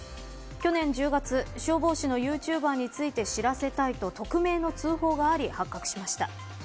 去年１０月、消防士のユーチューバーについて知らせたいと匿名の通報があり発覚しました。